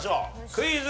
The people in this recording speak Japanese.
クイズ。